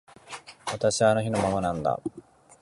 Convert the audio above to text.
私はあの日のままなんだ